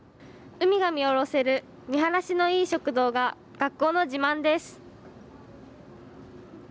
海が見下ろせる見晴らしのいい食堂が学校の自慢です。